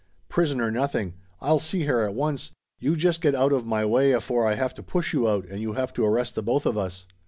Prisoner nothing! I'll see her at once. You just get out of my way afore I have to push you out and you have to arrest the both of us!"